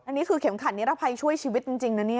อันนี้คือเข็มขัดนิรภัยช่วยชีวิตจริงนะเนี่ย